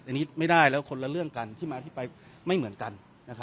อันนี้ไม่ได้แล้วคนละเรื่องกันที่มาที่ไปไม่เหมือนกัน